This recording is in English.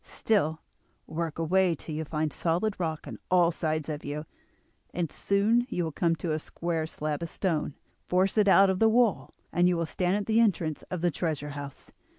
Still, work away till you find solid rock on all sides of you, and soon you will come to a square slab of stone; force it out of the wall, and you will stand at the entrance of the treasure house.